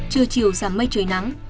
trưa chiều giảm mây trời nắng